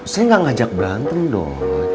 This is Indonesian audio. saya gak ngajak berantem dong